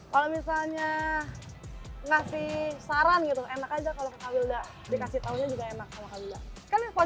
kalau misalnya ngasih saran gitu enak aja kalau ke kak wilda dikasih taunya juga enak sama kak wilda